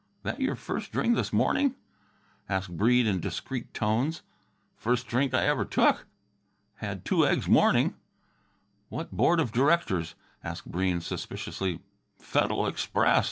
"That your first drink s'morning?" asked Breede in discreet tones. "First drink I ever took. Had two eggs's morning." "What board of directors?" asked Breede suspiciously. "Fed'l Express.